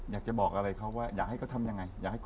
อยากให้เขาทำยังไง